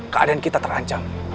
keadaan kita terancam